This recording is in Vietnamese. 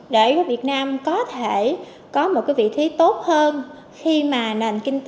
để việt nam có thể có một vị trí tốt hơn khi mà nền kinh tế